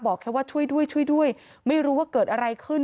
แค่ว่าช่วยด้วยช่วยด้วยไม่รู้ว่าเกิดอะไรขึ้น